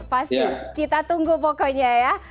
pasti kita tunggu pokoknya ya